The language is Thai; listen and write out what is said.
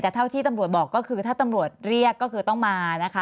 แต่เท่าที่ตำรวจบอกก็คือถ้าตำรวจเรียกก็คือต้องมานะคะ